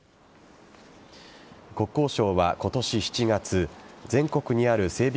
国交省は今年７月全国にある整備